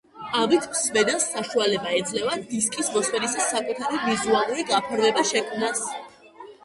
ამით მსმენელს საშუალება ეძლევა, დისკის მოსმენისას საკუთარი ვიზუალური გაფორმება შექმნას.